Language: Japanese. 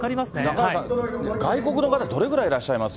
中山さん、外国の方、どれぐらいいらっしゃいます？